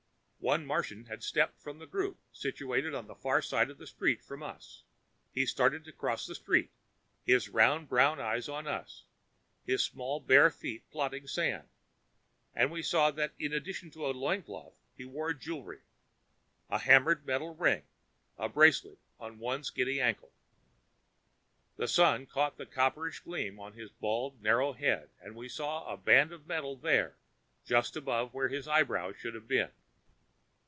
One Martian had stepped from a group situated on the far side of the street from us. He started to cross the street, his round brown eyes on us, his small bare feet plodding sand, and we saw that in addition to a loincloth he wore jewelry a hammered metal ring, a bracelet on one skinny ankle. The Sun caught a copperish gleam on his bald narrow head, and we saw a band of metal there, just above where his eyebrows should have been.